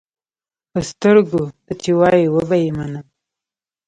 پۀ سترګو، تۀ چې وایې وبۀ یې منم.